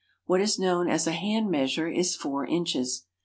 What is known as a hand measure is 4 inches.